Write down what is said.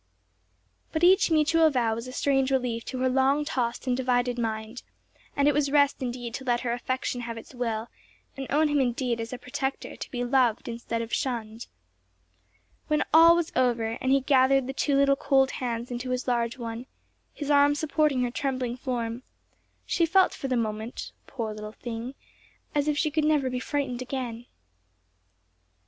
But each mutual vow was a strange relief to her long tossed and divided mind, and it was rest indeed to let her affection have its will, and own him indeed as a protector to be loved instead of shunned. When all was over, and he gathered the two little cold hands into his large one, his arm supporting her trembling form, she felt for the moment, poor little thing, as if she could never be frightened again.